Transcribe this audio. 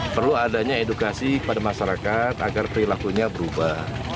perlu adanya edukasi kepada masyarakat agar perilakunya berubah